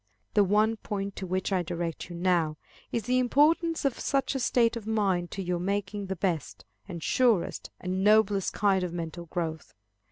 The one point to which I direct you now, is the importance of such a state of mind to your making the best, and surest, and noblest kind of mental growth.